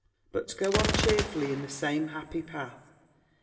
But go on cheerfully in the same happy path.